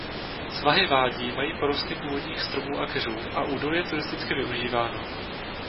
Svahy vádí mají porosty původních stromů a keřů a údolí je turisticky využíváno.